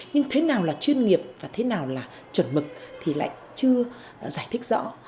nhưng thế nào là chuyên nghiệp và thế nào là chuẩn mực thì lại chưa giải thích rõ